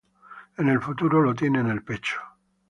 En el futuro lo tiene en el pecho.